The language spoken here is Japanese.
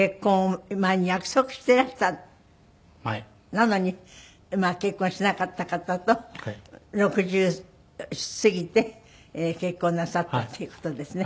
なのに結婚しなかった方と６０過ぎて結婚をなさったという事ですね。